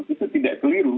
itu tidak keliru